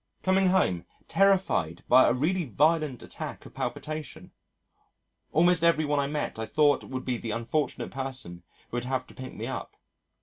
Coming home, terrified by a really violent attack of palpitation. Almost every one I met I thought would be the unfortunate person who would have to pick me up.